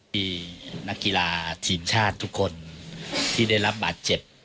มีนักกีฬาทีมชาติทุกคนที่ได้รับบาดเจ็บ